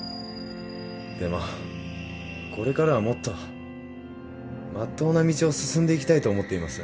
でもこれからはもっとまっとうな道を進んでいきたいと思っています。